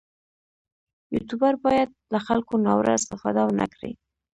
یوټوبر باید له خلکو ناوړه استفاده ونه کړي.